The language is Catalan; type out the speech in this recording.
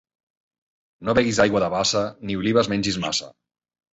No beguis aigua de bassa, ni olives mengis massa.